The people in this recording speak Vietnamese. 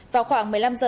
vào khoảng một mươi năm h